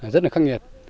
rất là khắc nghiệt